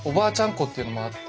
子っていうのもあって。